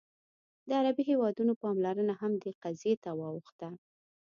د عربي هېوادونو پاملرنه هم دې قضیې ته واوښته.